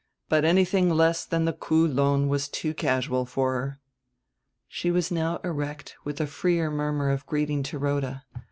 But anything less than the Kûl'on was too casual for her." She was now erect with a freer murmur of greeting to Rhoda.